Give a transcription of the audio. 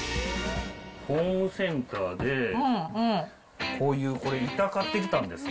ホームセンターで、こういうこれ、板買ってきたんです。